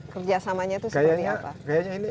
kerjasamanya seperti apa